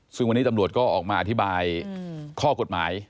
ซึ่งวันนี้ตำรวจก็ออกมาอธิบายข้อกฎหมาย